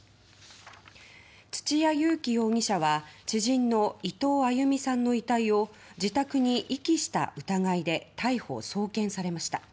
土屋勇貴容疑者は知人の伊藤亜佑美さんの遺体を自宅に遺棄した疑いで逮捕・送検されました。